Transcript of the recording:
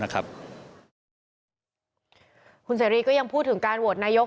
คุณเสรีก็ยังพูดถึงการโหวตนายก